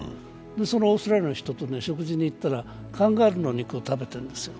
そのオーストラリアの人と食事に行ったらカンガルーの肉を食べてるんですよ。